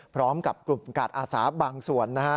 พร้อมกับกลุ่มกาดอาสาบางส่วนนะฮะ